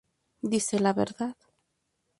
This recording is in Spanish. Dice la verdad.